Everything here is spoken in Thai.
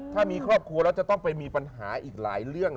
ถ้ามีครอบครัวแล้วจะต้องไปมีปัญหาอีกหลายเรื่อง